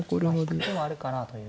引く手もあるかなという。